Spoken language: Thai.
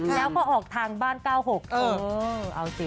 แล้วก็ออกทางบ้าน๙๖เออเอาสิ